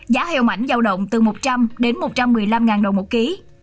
giá heo mạnh giao động từ một trăm linh một trăm một mươi năm đồng một kg